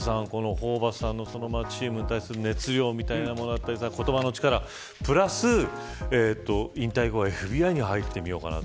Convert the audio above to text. ホーバスさんのチームに対する熱量みたいなものだったり言葉の力、プラス引退後はＦＢＩに入ってみようかなと。